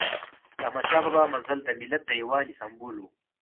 د احمد شاه بابا مزل د ملت د یووالي سمبول و.